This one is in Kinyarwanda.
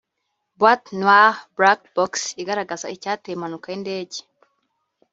Boîte noire/Black box igaragaza icyateye impanuka y’indege